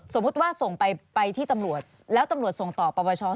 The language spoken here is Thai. สมมุติว่าส่งไปที่ตำรวจแล้วตำรวจส่งต่อประวัติศาสตร์